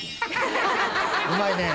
うまいね！